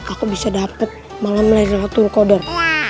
aku bisa dapat malam laylatul qadar